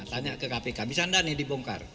tanya ke kpk bisa nggak nih dibongkar